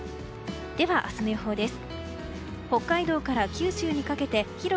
では、明日の予報です。